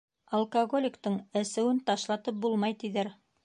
Алкаголиктың әсеүен ташлатып булмай, тиҙәр.